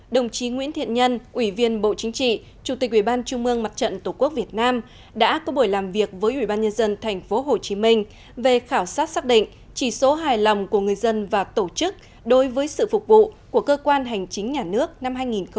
đồng chí nguyễn thiện nhân ủy viên bộ chính trị chủ tịch ubnd mặt trận tổ quốc việt nam đã có buổi làm việc với ubnd tp hcm về khảo sát xác định chỉ số hài lòng của người dân và tổ chức đối với sự phục vụ của cơ quan hành chính nhà nước năm hai nghìn một mươi sáu